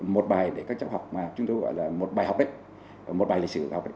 một bài để các cháu học mà chúng tôi gọi là một bài học đấy một bài lịch sử nào đấy